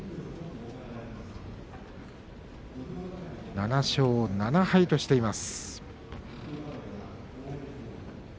７勝７敗としています。